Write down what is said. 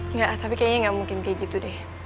nggak tapi kayaknya gak mungkin kayak gitu deh